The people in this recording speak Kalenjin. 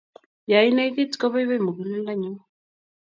ya I negit ko pai pai muguleldo nyu